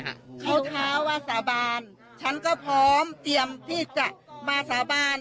เขาท้าว่าสาบานฉันก็พร้อมเตรียมที่จะมาสาบาน